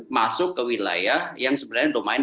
masuk ke wilayah yang sebenarnya domain